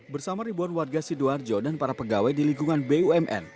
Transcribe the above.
bersama ribuan warga sidoarjo dan para pegawai di lingkungan bumn